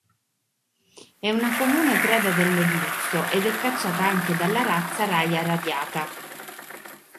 È una comune preda del merluzzo ed è cacciata anche dalla razza "Raja radiata".